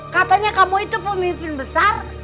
katanya kamu itu pemimpin besar